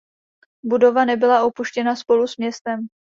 Budova nebyla opuštěna spolu s městem.